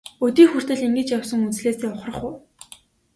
Өдий хүртэл итгэж явсан үзлээсээ ухрах уу?